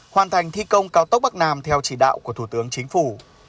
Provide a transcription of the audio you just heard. hoàn thành thi công cao tốc bắc nam theo chỉ đạo của thủ tướng chính phủ